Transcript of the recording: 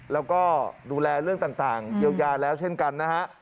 แล้วก็ดูแลเรื่องต่างเยียวยาแล้วเช่นกันนะฮะ